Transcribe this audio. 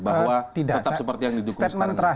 bahwa tetap seperti yang didukung sekarang